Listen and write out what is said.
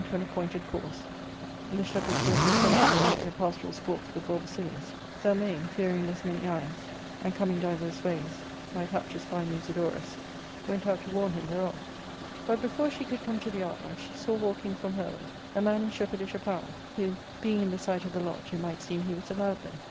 And so many days were spent But the one being come on which, according tb an appointed course, the shepherds were to assemble and make their pastoral sports before Basilius, Zelmane, fearing lest many eyes, and coming divers ways, might hap to spy Musidorus, went out to warn him thereof. But, before she could come to the arbour, she saw, walking from her ward, a man in shepherdish apparel, who, being in the sight of the lodge, it might seem he was allowed there.